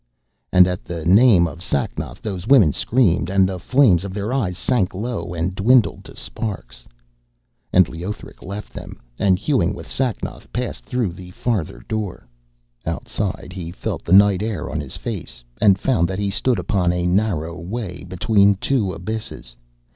And at the name of Sacnoth those women screamed, and the flames of their eyes sank low and dwindled to sparks. And Leothric left them, and, hewing with Sacnoth, passed through the farther door. Outside he felt the night air on his face, and found that he stood upon a narrow way between two abysses.